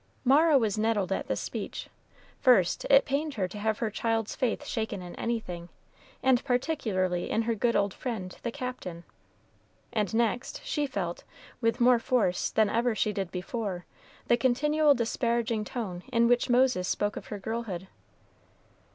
Mara was nettled at this speech. First, it pained her to have her child's faith shaken in anything, and particularly in her good old friend, the Captain; and next, she felt, with more force than ever she did before, the continual disparaging tone in which Moses spoke of her girlhood.